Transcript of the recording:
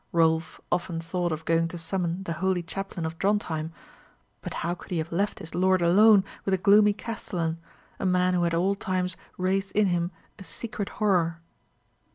Rolf often thought of going to summon the holy chaplain of Drontheim; but how could he have left his lord alone with the gloomy castellan, a man who at all times raised in him a secret horror?